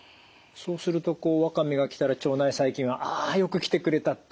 そうするとわかめが来たら腸内細菌はああよく来てくれたってこういうことになる？